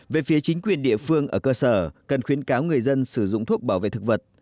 về phía chính quyền địa phương ở cơ sở cần khuyến cáo người dân sử dụng thuốc bảo vệ thực vật